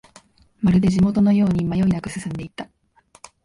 まるで地元のように迷いなく進んでいった